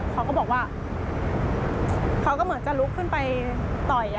เขาก็บอกว่าเขาก็เหมือนจะลุกขึ้นไปต่อย